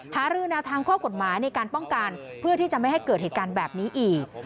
หารือแนวทางข้อกฎหมายในการป้องกันเพื่อที่จะไม่ให้เกิดเหตุการณ์แบบนี้อีก